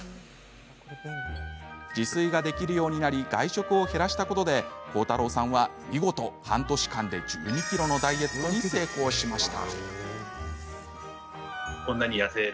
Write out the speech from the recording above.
自炊ができるようになり外食を減らしたことで広太郎さんは、見事半年間で１２ｋｇのダイエットに成功しました。